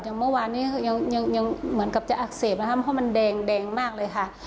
เมื่อวานนี้ยังเหมือนกับจะอักเสบนะคะเพราะมันแดงมากเลยค่ะ